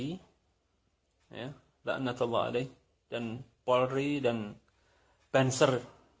mbak natawali dan polri dan banser